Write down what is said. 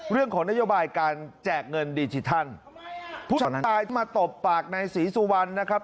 เรื่องของนโยบายการแจกเงินดิจิทัลผู้ชายที่มาตบปากนายศรีสุวรรณนะครับ